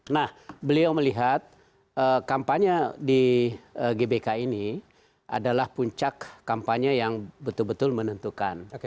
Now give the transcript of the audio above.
nah beliau melihat kampanye di gbk ini adalah puncak kampanye yang betul betul menentukan